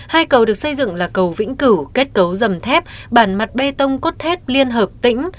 hai cầu được xây dựng là cầu vĩnh cửu kết cấu dầm thép bản mặt bê tông cốt thép liên hợp tĩnh